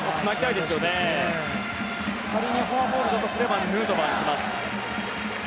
仮にフォアボールだとすればヌートバーに来ます。